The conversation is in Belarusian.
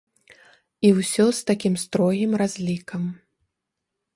І ўсё з такім строгім разлікам.